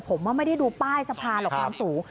ผมว่าไม่ได้ดูป้ายสะพานหรอกความสูง